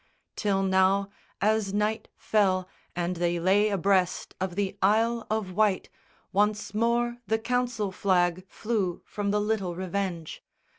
Till now, as night fell and they lay abreast Of the Isle of Wight, once more the council flag Flew from the little Revenge.